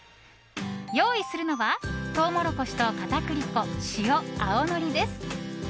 用意するのはトウモロコシと片栗粉、塩、青のりです。